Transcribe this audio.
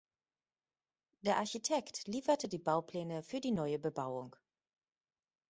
Der Architekt lieferte die Baupläne für die neue Bebauung.